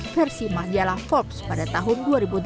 versi majalah forbes pada tahun dua ribu delapan